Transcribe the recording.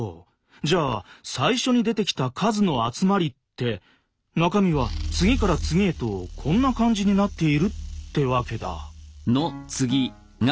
じゃあ最初に出てきた「数」の集まりって中身は次から次へとこんな感じになっているってわけだ。